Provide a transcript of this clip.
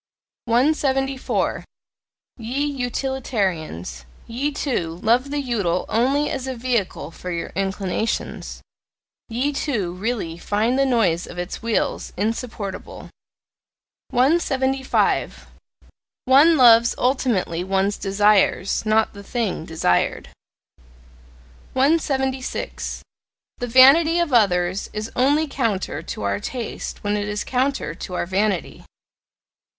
174. Ye Utilitarians ye, too, love the UTILE only as a VEHICLE for your inclinations, ye, too, really find the noise of its wheels insupportable! 175. One loves ultimately one's desires, not the thing desired. 176. The vanity of others is only counter to our taste when it is counter to our vanity.